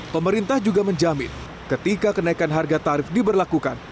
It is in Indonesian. pemerintah juga menjamin ketika kenaikan harga tarif diberlakukan